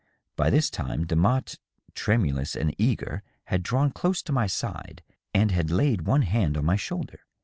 •." By this time Demotte, tremulous and eager, had drawn close to my side and had laid one hand on my shoulder.